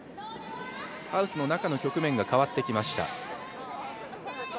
ハウスの中の局面が変わってきました。